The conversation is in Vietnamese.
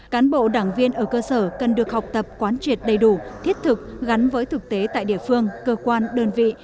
cán bộ đảng viên ở cơ sở cần được học tập quán triệt đầy đủ thiết thực gắn với thực tế tại địa phương cơ quan đơn vị